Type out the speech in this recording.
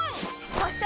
そして！